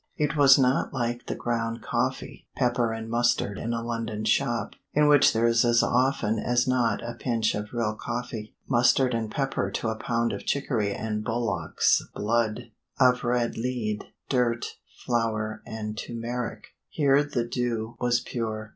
It was not like the ground coffee, pepper and mustard in a London shop in which there is as often as not a pinch of real coffee, mustard and pepper to a pound of chicory and bullock's blood, of red lead, dirt, flour and turmeric. Here the do was pure.